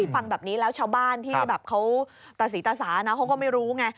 ฟังแบบนี้แล้วชาวบ้านที่แบบเขาตะศรีตาสานะเขาก็ไม่รู้ไง